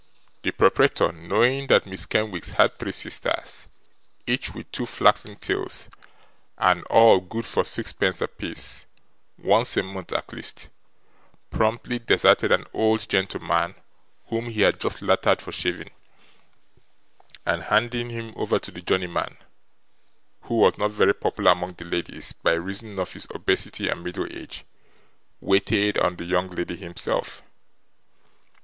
The proprietor, knowing that Miss Kenwigs had three sisters, each with two flaxen tails, and all good for sixpence apiece, once a month at least, promptly deserted an old gentleman whom he had just lathered for shaving, and handing him over to the journeyman, (who was not very popular among the ladies, by reason of his obesity and middle age,) waited on the young lady himself.